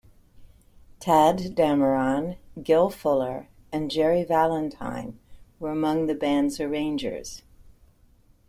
Tadd Dameron, Gil Fuller and Jerry Valentine were among the band's arrangers.